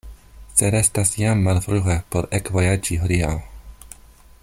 Sed estas jam malfrue por ekvojaĝi hodiaŭ.